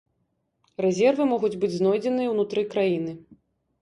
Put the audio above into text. Рэзервы могуць быць знойдзеныя ўнутры краіны.